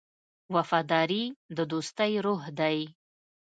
وفاداري د دوستۍ روح دی.